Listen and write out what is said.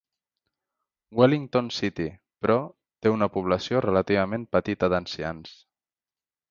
Wellington City, però, té una població relativament petita d'ancians.